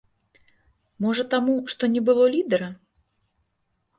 Можа таму, што не было лідэра?